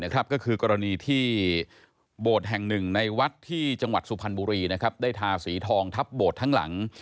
ก็คือกรณีที่โบสถ์แห่งหนึ่งในวัดที่จังหวัดสุพรรณบุรีได้ทาสีทองทับโบสถ์ทั้งหลัง